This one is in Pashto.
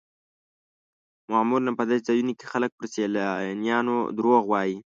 معمولا په داسې ځایونو کې خلک پر سیلانیانو دروغ وایي.